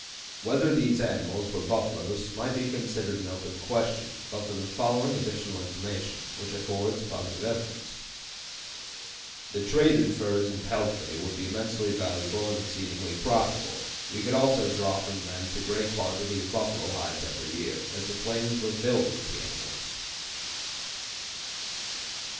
Whether these animals were buffaloes might be considered an open question but for the following additional information, which affords positive evidence: "The trade in furs and peltry would be immensely valuable and exceedingly profitable. We could also draw from thence a great quantity of buffalo hides every year, as the plains are filled with the animals."